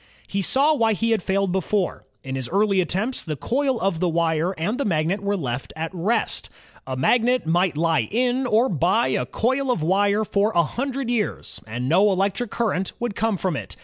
He saw why he had failed before. In his earlier attempts, the coil of wire and the magnet were left at rest. A magnet might lie in or by a coil of wire for a hundred years, and no elec tric current would come from it.